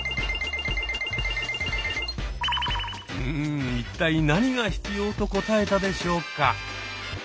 うん一体何が必要と答えたでしょうか？